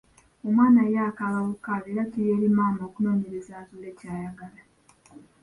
Omwana ye akaababukaabi era kiri eri maama okunoonyereza azuule ky'ayagala!